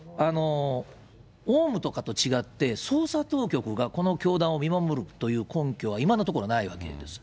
オウムとかと違って、捜査当局がこの教団を見守るという根拠は、今のところないわけです。